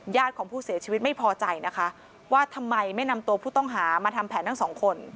ของผู้เสียชีวิตไม่พอใจนะคะว่าทำไมไม่นำตัวผู้ต้องหามาทำแผนทั้งสองคน